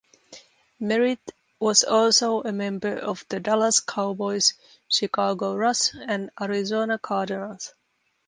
Merritt was also a member of the Dallas Cowboys, Chicago Rush and Arizona Cardinals.